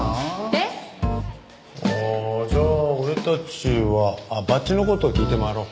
えっ？ああじゃあ俺たちはバッジの事を聞いて回ろう。